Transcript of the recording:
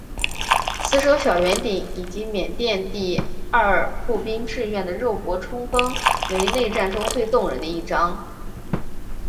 死守小圆顶以及缅因第廿步兵志愿团的肉搏冲锋为内战中最动人的一章。